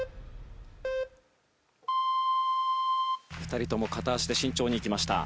２人とも片足で慎重にいきました。